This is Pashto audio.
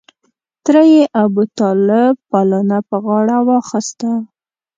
تره یې ابوطالب پالنه په غاړه واخسته.